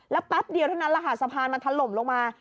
แต๊บเดียวเท่านั้นรหัสสะพานทะลมลงมา